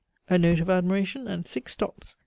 _ (a note of admiration and six stops.